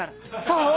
そう？